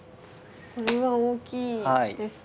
これは大きいですね。